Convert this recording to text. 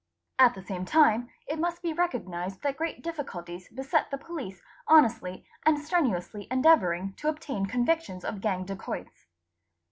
_ At the same time it must be recognised that great difficulties beset | the police honestly and strenuously endeavouring to obtain convictions of t og dacoits.